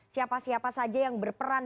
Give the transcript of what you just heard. siapa siapa saja yang berperan